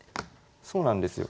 そうなんですよ。